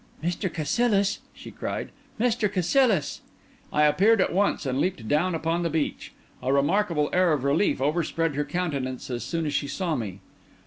"Mr. Cassilis!" she cried; "Mr. Cassilis!" I appeared at once, and leaped down upon the beach. A remarkable air of relief overspread her countenance as soon as she saw me.